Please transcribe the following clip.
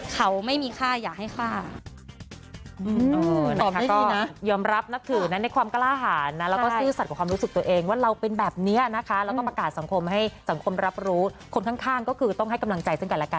เขาไม่มีค่าอย่าให้ฆ่า